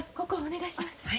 ここお願いします。